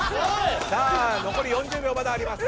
さあ残り４０秒あります。